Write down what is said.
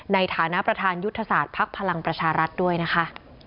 ในฐานะประธานยุทธศาสตร์ภักดิ์พลังประชารัฐด้วยนะคะ